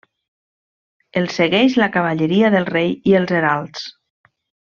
El segueix la cavalleria del rei i els heralds.